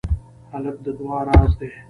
هلک د دعا راز دی.